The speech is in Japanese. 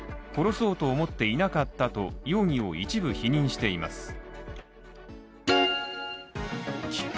殺そうと思っていなかったと容疑を一部否認しています。